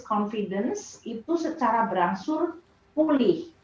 confidence itu secara berangsur pulih